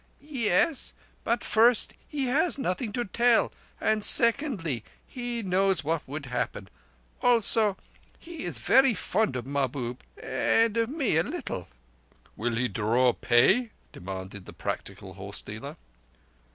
"Ye es; but first, he has nothing to tell; and secondly, he knows what would happen. Also, he is very fond of Mahbub, and of me a little." "Will he draw pay?" demanded the practical horse dealer.